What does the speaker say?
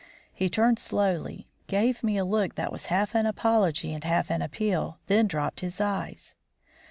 He turned slowly, gave me a look that was half an apology and half an appeal, then dropped his eyes.